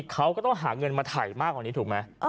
เขาก็ต้องหาเงินมาถ่ายมากกว่านี้ถูกไหม